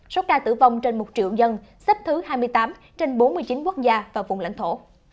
số ca tử vong trên một triệu dân xếp thứ hai mươi tám trên bốn mươi chín quốc gia và vùng lãnh thổ